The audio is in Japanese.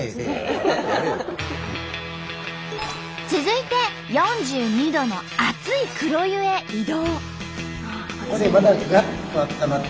続いて４２℃の熱い黒湯へ移動。